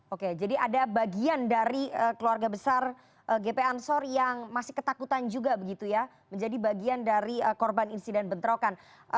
oke jadi ada bagian dari keluarga besar gp ansor yang masih ketakutan juga begitu ya menjadi bagian dari korban insiden bentrokan